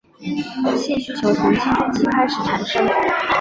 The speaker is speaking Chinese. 性需求从青春期开始产生。